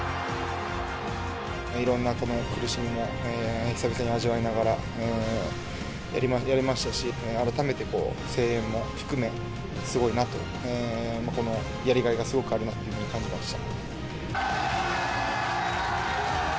いろんな苦しみも久々に味わいながらやれましたし、改めて声援も含め、すごいなと、やりがいがすごくあるなと感じました。